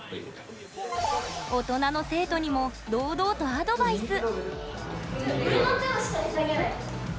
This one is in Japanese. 大人の生徒にも堂々とアドバイス。